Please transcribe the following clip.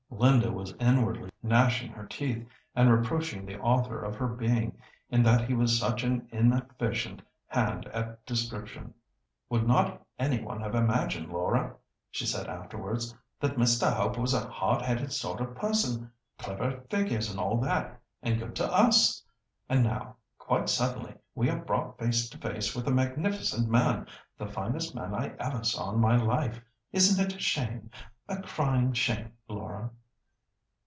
Linda was inwardly gnashing her teeth, and reproaching the author of her being in that he was such an inefficient hand at description. "Would not any one have imagined, Laura," she said afterwards, "that Mr. Hope was a hard headed sort of person, clever at figures and all that, and good to us? And now, quite suddenly we are brought face to face with a magnificent man—the finest man I ever saw in my life. Isn't it a shame—a crying shame, Laura?"